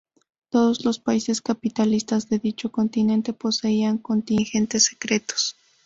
Todos los países capitalistas de dicho continente poseían contingentes secretos.